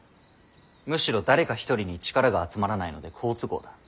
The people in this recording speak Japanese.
むしろ誰か一人に力が集まらないので好都合だ。